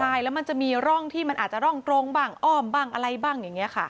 ใช่แล้วมันจะมีร่องที่มันอาจจะร่องตรงบ้างอ้อมบ้างอะไรบ้างอย่างนี้ค่ะ